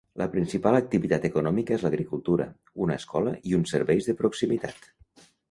La principal activitat econòmica és l'agricultura, una escola i uns serveis de proximitat.